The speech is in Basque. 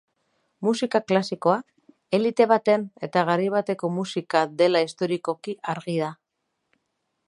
Musika klasikoa, elite baten eta garai bateko musika dela historikoki argi da.